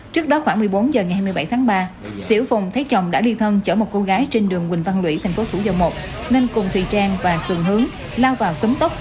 trước đó khoảng một mươi bốn h ngày hai mươi bảy tháng ba sĩu phùng thấy chồng đã đi thân chở một cô gái trên đường quỳnh văn lũy tp thủ dầu một nên cùng thùy trang và xuân hướng lao vào cấm tóc